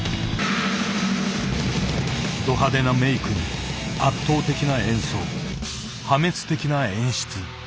ど派手なメークに圧倒的な演奏破滅的な演出。